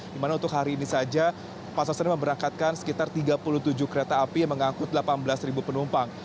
di mana untuk hari ini saja pasar senen memberangkatkan sekitar tiga puluh tujuh kereta api yang mengangkut delapan belas penumpang